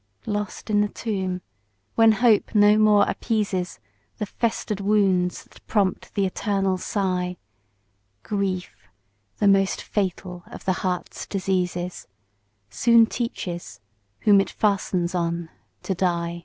Lost in the tomb, when Hope no more appeases The fester'd wounds that prompt the eternal sigh, Grief, the most fatal of the heart's diseases, Soon teaches, whom it fastens on, to die.